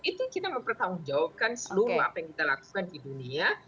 itu kita mempertanggungjawabkan seluruh apa yang kita lakukan di dunia